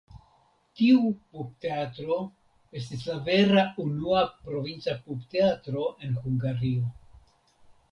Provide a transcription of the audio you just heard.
Tiu pupteatro estis la vera unua provinca pupteatro en Hungario.